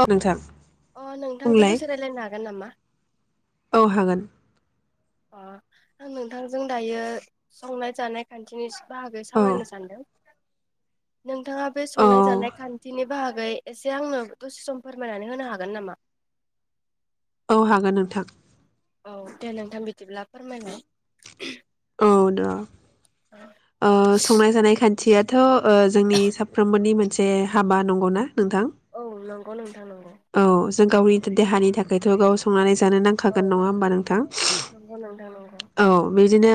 औ नोंथां अ नोंथांजों बुंलाय द'से रायलायनो हागोन नामा? औ हागोन अ आं नोंथांजों दायो संनाय जानाय खान्थिनिसो बाहागो औ सावरायनो सान्दों। नोंथाङा बे औ संनाय जानाय खान्थिनि बागै एसे आंनो दसे सम फोरमायनानै होनो हागोन नामा? औ हागोन नोंथां। औ दे नोंथां बिदिब्ला फोरमायलाय औ द' ओ संनाय जानाय खान थियाथ' ओ जोंनि साफ्रोमबोनि मोनसे हाबा नंगौ ना? औ नं [unintelligible] औ [unintelligible] जों गावनि देहानि थाखायथ' गाव संनानै जानो औ नांखागोन नङा होनबा नोंथां नंगौ नोंथां नंगौ औ बिदिनो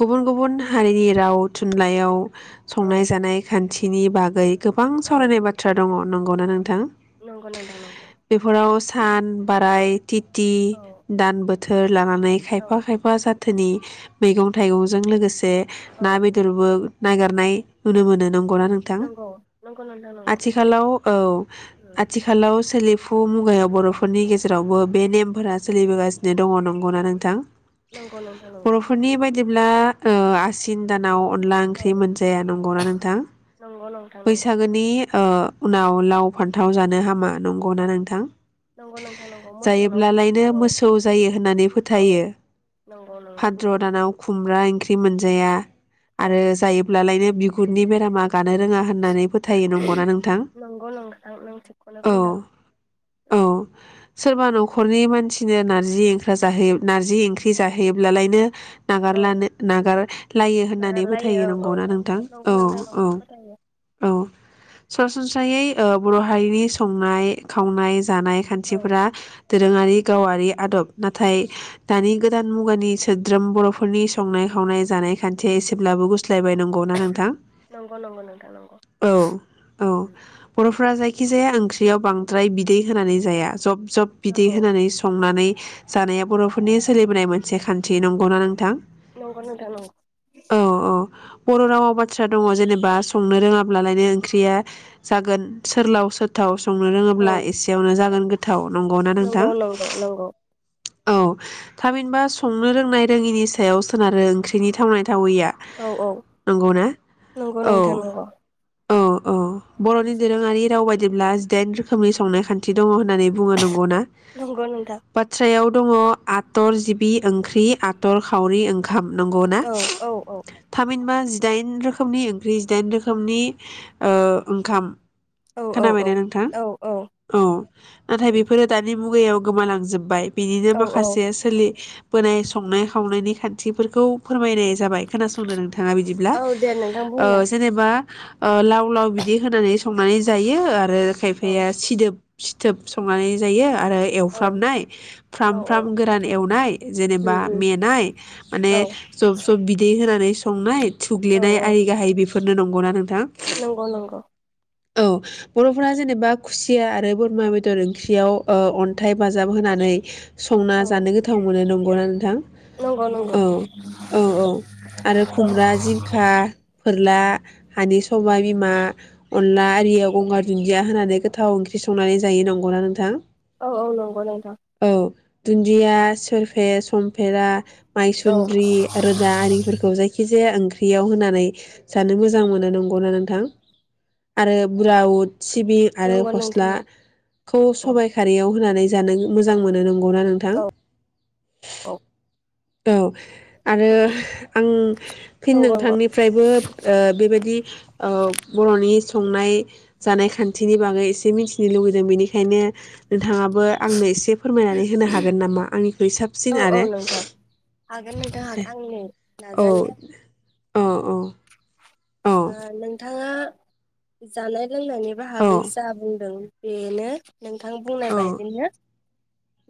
गुबुन गुबुन हारिनि राव थुनलाइयाव संनाय औ जानाय खान्थि नि बागै गोबां औ सावरायनाय बाथ्रा दङ' नंगौ ना नोंथां नंगौ नोंथां नंगौ बेफोराव सान बाराय तिथि औ दान बोथ थोर लानानै औ खायफा खायफा जा थोनि मैगं थाइगंजों लोगोसे औ ना बेदरबो नागेरनाय नुनो मोनो नं गौना नोंथां नंगौ नंगौ नोंथां नंगौ आथिखालाव औ उम आ लौ सोलिफु मुगायाव बर'फोरनि गेजेरावबो बे नेमफोरा सोलिबोगासिनो दङ नंगौना नोंथां। नंगौ नंथां नंगौ। जेब्ला ओ आसिन दानाव अनला ओंख्रि औ मोनजाया नंगौना नोंथां नंगौ नोंथां नंगौ बैसागोनि ओ उनाव लाव फा थाव जा नो हामा नंगौना नोंथां। नंगौ नोंथां नंगौ मोसौनाव जायोब्लालायनो औ मोसौ जायो होननानै औ फोथायो नंगौ नंगौ फाद्र दानाव खुमब्रा ओंख्रि मोनजाया औ आरो जायोब्लालायनो बिगुरनि बेरामा गानो रोङा होन नानै फोथायो नंगौना नोंथां। खौनो औ बुंदों‌ औ उम। सोरबा न'खरनि मानसिनो नारजि ओंखा जाहोयो नारजि ओंख्रि जाहैयोब्लालायनो औ नागारलानो नागारलायो होननानै फोथायो नागारलायो औ नंगौना नोंथां नंगौ औ नोंथां औ नंगौ फोथायो औ सरासनस्रायै ओ बर' हारिनि संनाय, खावनाय जानाय औ खान्थिफोरा दोरोङारि गावारि आदब नाथाय दानि गोदान मुगानि सोद्रोम बर'फोरनि संनाय खावनाय जानाय खान्थिया एसेब्लाबो गुस स्लायबाय नंगौ ना नोंथां नंगौ नंगौ नोंथां नंगौ औ औ बर'फोरा जाय जाया ओंख्रियाव बांद्राय बिदै होनानै जाया जब जब बिदै नंगौ होनानै संनानै जानाया बर'फोरनि सोलिबोनायमोन सेखान्थि नंगौना नोंथां नंगौ नोंथां नंगौ औ औ बर' रावाव बाथ्रा दङ जेनेबा संनो रोङाब्लालायनो ओंख्रिया जागोन सोरलाव सोथावस संनो औ रोङोब्ला एसेयावनो जागोन गो थाव नंगौ ना नोंथां? नंगौ नंगौ औ थामहिनबा संनो रोंनाय रोङिनि सायाव सोनारो ओंख्रिनि थावनाय थावयिया औ औ नंगौना नंगौ औ नोंथां नंगौ औ औ बर'नि दोरोङारि राव बाय जेब्ला जिदाइन रोखोमनि संनाय खान्थि दङ। होननानै बुङ नंगौना नंगौ नोंथां बाथ्रायाव दङ आथर जिबि ओंख्रि, ‌ आथर खावरि ओं हाम नंगौना औ औ औ थामहिनबा जि जिदाइन रोखोमनि ओंख्रि जिदाइन रोखोमनि ओ ओंखाम। औ औ औ खोनाबायना नोंथां औ औ नाथाय बेफोरो दानि मुगायाव गोमालांजोबबाय। बिनिनो औ औ माखासेया सोलि बोनाय संनाय खावनायनि खान्थिफोरखौ फोरमायनाय जाबाय खोनासंद नोंथाङा बिदिब्ला औ दे नोंथां ओ बुंलाय जेनेबा ओ लाव लाव बिदि होनानै संनानै जायो ओ औ खायफाया सिदोब सिथोब संनानै जायो। आरो औ एवफ्रामनाय औ फ्राम औ फ्राम गोरान एवनाय जेनेबा मेनाय माने जब जब बिदै होनानै संनाय। औ थुग्लिनाय औ आय गाहाय बेफ फोरनो नंगौना नों नंगौ नंगौ। औ। बर'फोरा जेनेबा खुसिया आरो बोरमा बेदर ओंख्रियाव ओ अन्थाइ बाजाब होनानै संना औ जानो गोथाव मोनो नं गौना नोंथां? नंगौ नंगौ औ। औ औ अनला हानि सबाइ बिमा अनला आरियाव गंगार दुन्दिया होनानै गोथाव ओंख्रि संनानै जायो नंगौना नोंथां? औ औ नंगौ नोंथां। औ दुन्दिया सोरफे समफेरा। औ मायसुन्द्रि रोदा आरिफोरखौ जायखि जाया ओंख बेयाव होनानै जानो मोजां मोनो नंगौना नोंथां? आरो बुराउट। सिबिं आरो नंगौ नोंथां नंगौ फस्लाखौ सबाय खारियाव होनानै जानो मोजां मोनो नंगौना नोंथां? औ औ। औ। आरो आं फिन नंगौ नंगौ नोंथांनिफ्रायबो ओह बेबायदि ओह बरनि स ओंखाम संनाय जानाय खान्थिनि बागै एसे मिथिनो लुुबैदों बेनिखायनो नोंथाङाबो आंनो एसे फोरमायनानै होनो हागोन नामा आंनि यै साबसिन औ औौ आरो। नोंथां हागोन नोंथां हागोन आंनो औ नाजानाया औ। औ ओह नोंथां। थांङा जानाय लोंनायनि औ बाहागै जा बुंदों बेनो। नोंथां बुंनाय औ बदिनो।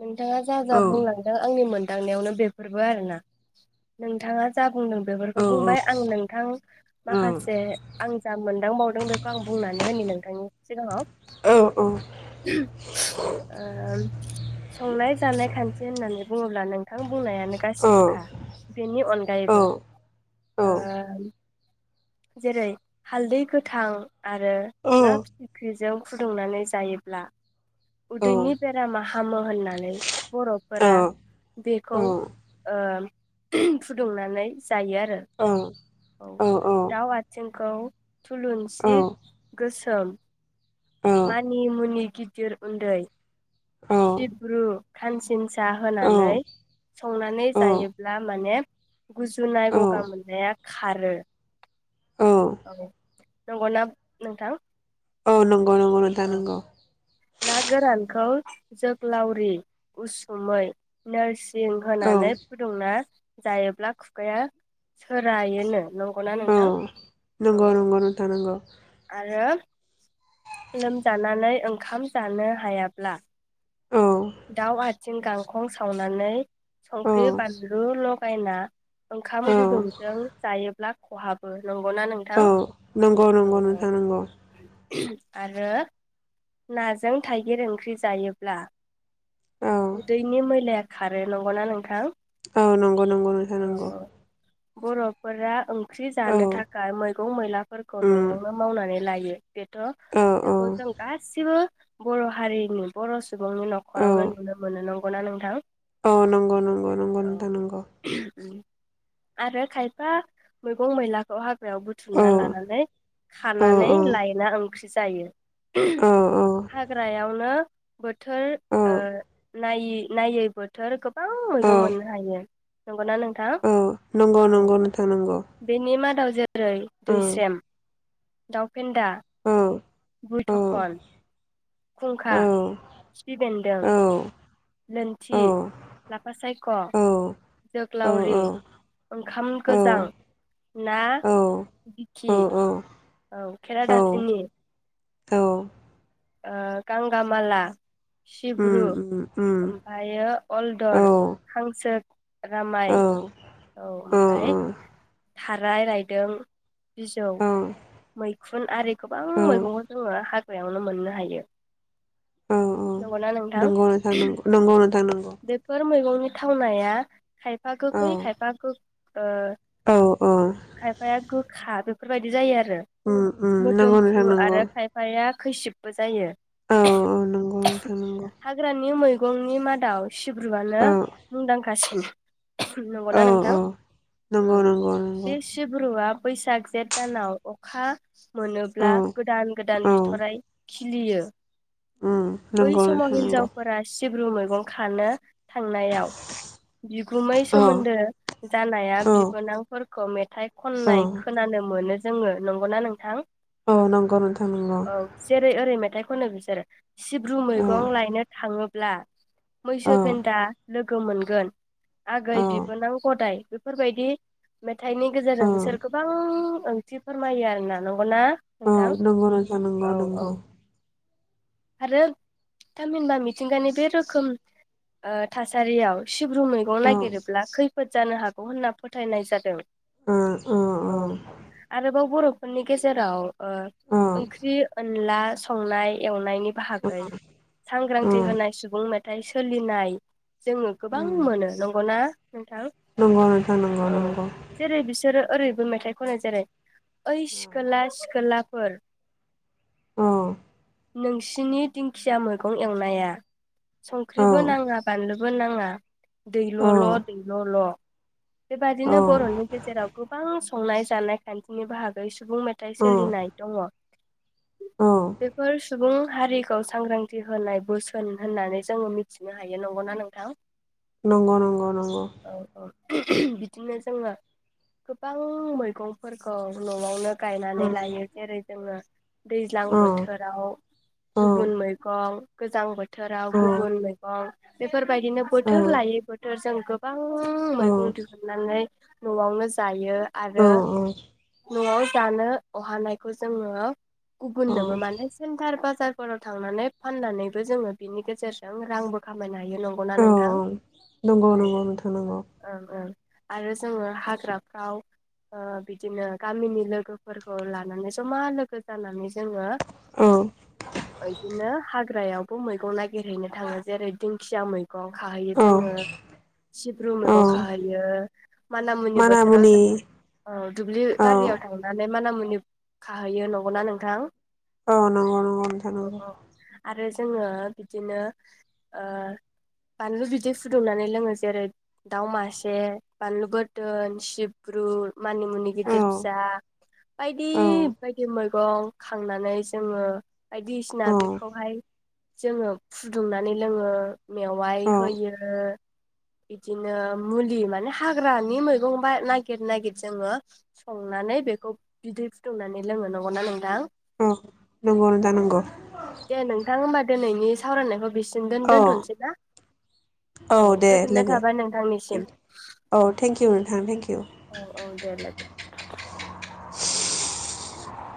नोंथांङा जा जा औ बुंलां आंनि मोनदांनायावनो बेफोरबो आरोना नोंथांङा जा बुं बुंदों औ बेफोरखौ औ बुंबाय आं नोंथां औ माखासे आं जा मोनद थालां बावदों बेखौ आं बुंनानै होनि नोंथांनि सिगांङाव। औ औ। ओह संनाय जानाय खान्थि नि होननानै बुङोब्ला नोंथां बुंनायानो औ गासिबोखा बेनि अनगायैबो। ओ जेरै हालदै गोथां। आरो ना फिथिग ख्रिजों फुदुंनानै जायोब्ला उदैनि बेरामा हामो। होननानै बर फोरा बेखौ। ओ फुदुंनानै। जायो आरो औ दाउ आथिं खौ थुलुनसिद गोसोम। मानि मुनि गिदिर उन्दै। सिब्रु। खानसिनसा औ होनानै संनानै औ जायोब्ला माने गुजुनाय औ गगा मोननाया खारो। औ। नंगौ नाप नोंथां? औ नों नोंगौ नोंथां नोंगौ। खौ जोग्लावरि उसुमै नोर जिं औ होनानै फुदुंना जायोब्ला खुगाया सोरायोनो नं औ नंगौ नंगौ नोंथां नंगौ आरो लोमजानानै ओंखाम जानो हायाब्ला औ दाव आ थिं गांखं सावनानै औ संख्रि बानलु लगायना ओं औ खाम गुदुंजों जायोब्ला खहाबो नंगौना औ नोंथां? नंगौ औ नंगौ औ नोंथां नंगौ। आरो नाजों थाइगिर ओंख्रि जायोब्ला औ उदैनि मैलाया खारो नंगौना नोंथां? औ नंगौ नंगौ नोंथां औ नंगौ। औ बर'फोरा ओंख्रि औ जानो थाखाय मैगं मैला फोरखौ उम न'आवनो मावनानै लायो। बेथ' औ औ बेखौ जों गासिबो बर' हारिनि बर' सु बुंनि औ न'खरावनो नुनो मोनो नगौना नोंथां? औ नंगौ नंगौ नंगौ औ नोंथां नंगौ आरो खायफा मैगं मैलाखौ हाग्रायाव औ बुथुमना लानानै खानानै औ लायना ओंख्रि जायो। औ हाग ग्रायावनो बोथोर औ ओ नायि नायै बोथोर खोब गोबां औ मैगं मोननो हायो। नंगौना नोंथां? औ नंगौ नंगौ नोंथां नंगौ। रै औ दैस्रेम दावफेनदा औ औ बुलथखन खुंखा, औ खिफि बेन्दों लोनथि, लाफा सायख', औ जोग्लावरि, ओंखाम औ गोजां, ना औ दिखि औ औ औ केराडाफिनि औ ओ गांगामला ओम ओम ओम। अलदर हांसो औ रामाय औ ओमफाय थाराय रायदों बिजौ औ मै खुन आरि गोबां मैगंखौ जोङो हाग्रायावनो मोननो हायो। नंगौना नोंथां नंगौ नोंथां नंगौ नंगौ [unintelligible] नोंथां नंगौ बेफोर मैगंनि थावनाया खायफा औ गोखै खायफा गोख ओ औ औ खायफाया गो खा बेफोरबायदि जायो आरो उम उम नंगौ मोदोमफ्रु नोंथां नंगौ आरो खायफाया खैसिब। बो जायो औ औ नंगौ [unintelligible] नोंथां नंगौ हाग्रानि मैगंनि मादाव सिब्रुआनो औ मुंदांखासिन [unintelligible] औ नंगौना नोंथां। औ नंगौ नो जेस सिब्रुआ बैसाग जेथ दानाव अखा औ मोनोब्ला गोदान गोदान औ बिथराइ खिलियो। उम बै नंगौ समाव नोंथां नंगौ हिनजावफोरा सिब्रु मै गं खानो थांनायाव बिगुमै औ सोमोन्दो जानाया औ बिबोनां फोरखौ मेथाइ औ खननाय खोनानो मोनो जोङो नंगौना नोंथां? औ नंगौ नोंथां नंगौ। औ जेरै ओरै मेथाइ खनो बिसोरो सिब्रु औ मैगं लायनो थाङोब्ला मैसो औ फेन्दा लोगो मोनगोन आगै बिबोनां गदाय बेफोरबायदि मेथाइनि औ गेजेरजों औ बिसोर गोबां ओंथि फोरमायो आरो ना नंगौना? उम नोंथां नंगौ नोंथां नंगौ औ नंगौ। औ आरो थामहिनबा मिथिंगानि बे रोखोम ओ थासारियाव सिब्रु मैगं औ नागिरोब्ला खैफोद जानो हागौ होनना फोथायनाय जाद दों। ओम ओम ओम। फोरनि गेजेराव ओ ओंख्रि अनला संनाय एवनायनि बाहागै ओ सांग्रांथि होनाय सुबुं मे थाय सोलिनाय जोङो गोबां उम मोनो नंगौना? नोंथां नंगौ नोंथां नंगौ औ नंगौ। जेरै बिसोरो ओरैबो मेथाइ खनो जेरै ओइ सिखोला सिखोलाफोर औ। नोंसिनि दिंखिया मैगं एवनाया संख्रिबो नाङा बानलु बो नाङा औ दैल'ल' दै'ल' बेबादिनो बर'नि गेजेराव गोबां संनाय जानाय खान्थिनि बाहागै स सुबुं मेथाइ औ सोलिनाय दङ'। औ बेफोरस सुबुं हारिखौ सांग्रांथि होनाय बोसोन होननानै जोङो मिथिनो हायो नंगौना नोंथां? नंगौ नंगौ नंगौ। औ औ [unintelligible] जोङो गोबां मैगंफोरखौ न'आवनो गायनानै उम लायो जेरै जोङो दैज्लां औ बोथोराव औ गुबुन मैगं गोजां बो औ थोराव गुबुन मैगं। फोरबायदिनो बोथोर लायै बोथोर जों गोबां [unintelligible] मैगं दिहुननानै न'आवनो जायो। औ आरो न'आव जानो अहानायखौ जोङो गुबुननोबो माने सेन्थारबा बाजारफोराव थांनानै फाननानैबो जोङो बिनि गेजेरजों रांबो खामायनो हा हायो नंगौना औ नोंथां नंगौ औ नंगौ नोंथां नंगौ ओं ओं। आरो जोङो हाग्राफ्राव ओ बिदिनो गामिनि लोगोफोरखौ लानानै जमा लोगो जानानै जोङो औ ओइदिनो हाग ग्रायावबो मैगं नागिरहैनो थाङो जेरै दिंखिया मै गं खाहैयो औ जोङो सिब्रु औ मैगं खाहैयो। माना मुनि बोथोराव जों ओ दुब्लि औ बारियाव थांनानै माना मुनि खाहैयो नंगौना नोंथां औ नंगौ नंगौ नोंथां औ नंगौ। औ आरो जोङो बिदिनो ओ बानलु बिदै फुदुंनानै लोङो जेरै दाउ मासे बानलु बोदोन सिब्रु मानि मुनि औ गिदिर फिसा बायदि औ बायदि मो गं खांनानै जोङो। बायदिसिना औ बेखौहाय जोङो फुदुंनानै लोङो। मेवाइ औ होयो। बिदिनो मुलि माने हाग्रानि मैगं बा नागिर नागिर जोङो संनानै बेखौ बिदै फुदुंनानै लोंनो नंगौना नोंथां। औ नंगौ औ नंथां नंगौ। दे नोंथां होमबा दिनैनि सावरायनायखौ बेसि गोन औ दोनथ'नोसै न औ दे गोजोननाय लोगो थाबाय नोंथांनिसिम। औ थेंकिउ नोंथां थेंकिउ औ औ देला